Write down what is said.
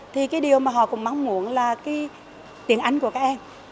thì cái điều mà họ cũng mong muốn là cái tiền ánh của các em